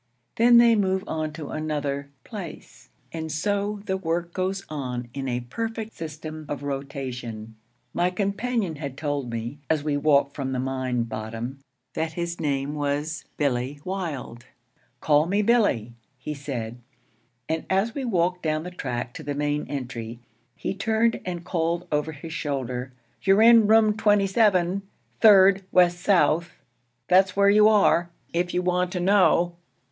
Then they move on to another 'place'; and so the work goes on in a perfect system of rotation. My companion had told me, as we walked from the mine bottom, that his name was Billy Wild. 'Call me Billy,' he said; and as we walked down the track to the main entry, he turned and called over his shoulder, 'You're in Room 27, third west south. That's where you are, if you want to know.'